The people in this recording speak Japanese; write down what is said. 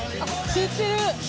知ってる」